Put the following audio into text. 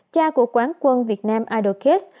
cha của quán quân việt nam idol kids